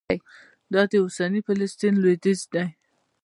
دا د اوسني فلسطین لوېدیځ دی.